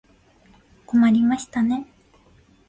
困りましたね。